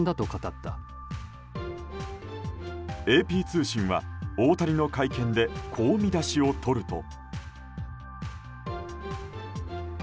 ＡＰ通信は、大谷の会見でこう見出しをとると。